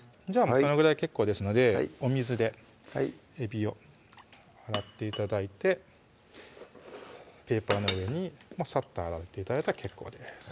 そのぐらいで結構ですのでお水でえびを洗って頂いてペーパーの上にサッと洗って頂いたら結構です